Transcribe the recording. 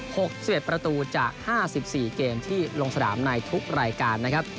๖พิเศษประตูจาก๕๔เกมที่ลงสดามในทุกรายการนะครับ